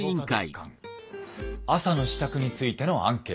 月間朝の支度についてのアンケート」。